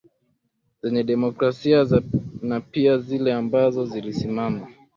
zenye demokrasia na pia zile ambazo zilisimama